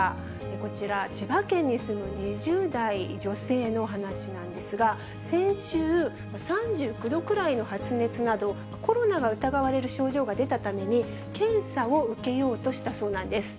こちら、千葉県に住む２０代女性の話なんですが、先週、３９度くらいの発熱など、コロナが疑われる症状が出たために、検査を受けようとしたそうなんです。